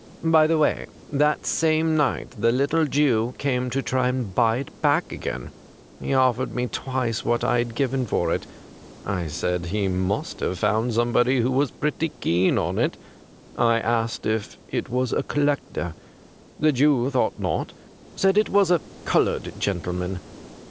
' By the way, that same night the little Jew came to try and buy it back again. He offered me tAvice what I had given for it. I said he must have found somebody who was pretty keen on it. I asked if it was a collector. The Jew thought not ; said it was a coloured gentle man.